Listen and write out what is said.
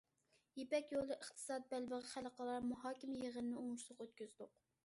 يىپەك يولى ئىقتىساد بەلبېغى خەلقئارا مۇھاكىمە يىغىنىنى ئوڭۇشلۇق ئۆتكۈزدۇق.